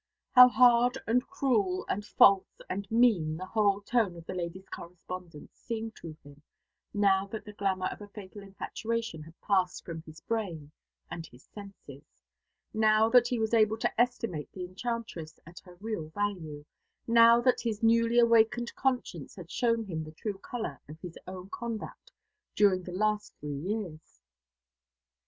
How hard and cruel and false and mean the whole tone of the lady's correspondence seemed to him, now that the glamour of a fatal infatuation had passed from his brain and his senses; now that he was able to estimate the enchantress at her real value; now that his newly awakened conscience had shown him the true colour of his own conduct during the last three years!